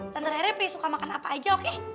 tante reret suka makan apa aja oke